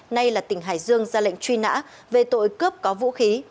nay là tỉnh hải dương ra lệnh truy nã về tội cướp có vũ khí